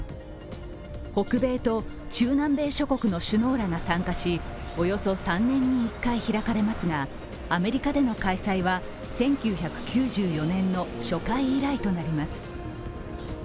北米と中南米諸国の首脳らが参加しおよそ３年に１回開かれますがアメリカでの開催は１９９４年の初回以来となります。